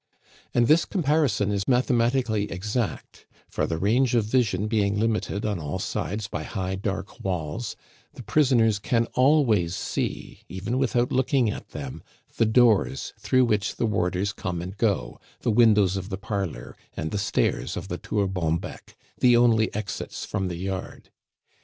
And this comparison is mathematically exact; for the range of vision being limited on all sides by high dark walls, the prisoners can always see, even without looking at them, the doors through which the warders come and go, the windows of the parlor, and the stairs of the Tour Bonbec the only exits from the yard.